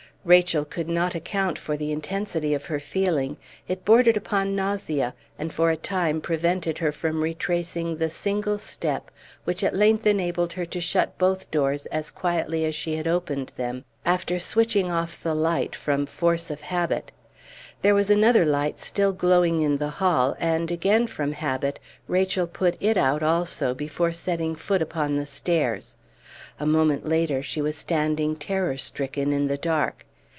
Rachel could not account for the intensity of her feeling; it bordered upon nausea, and for a time prevented her from retracing the single step which at length enabled her to shut both doors as quietly as she had opened them, after switching off the light from force of habit. There was another light still glowing in the hall, and, again from habit, Rachel put it out also before setting foot upon the stairs. A moment later she was standing terror stricken in the dark.